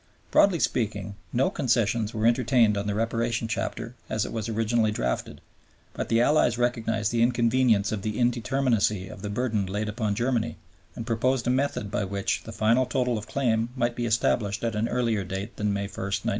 Broadly speaking, no concessions were entertained on the Reparation Chapter as it was originally drafted, but the Allies recognized the inconvenience of the indeterminacy of the burden laid upon Germany and proposed a method by which the final total of claim might be established at an earlier date than May 1, 1921.